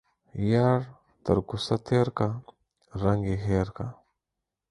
يار تر کوڅه تيرکه ، رنگ يې هير که.